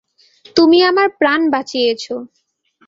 তুমি আমার প্রাণ বাঁচিয়েছ!